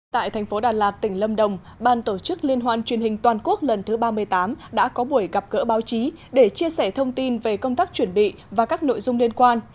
tại thành phố đà lạt tỉnh lâm đồng ban tổ chức liên hoan truyền hình toàn quốc lần thứ ba mươi tám đã có buổi gặp gỡ báo chí để chia sẻ thông tin về công tác chuẩn bị và các nội dung liên quan